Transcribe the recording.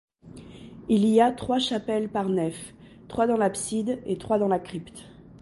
Il y trois chapelles par nef, trois dans l'abside et trois dans la crypte.